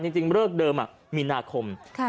จริงจริงเวลาเดิมมีนาคม